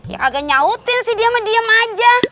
ya kagak nyautin sih dia sama diem aja